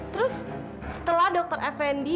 terus setelah dr effendi